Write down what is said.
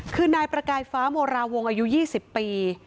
คือนายประกายฟ้าโมราวงอายุ๒๐ปี